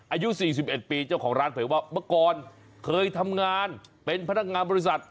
อายุ๔๑ปีเจ้าของร้านเผยว่าเมื่อก่อนเคยทำงานเป็นพนักงานบริษัท